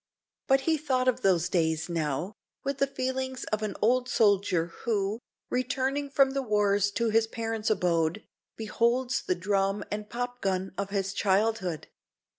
But he thought of those days, now, with the feelings of an old soldier who, returning from the wars to his parents' abode, beholds the drum and pop gun of his childhood.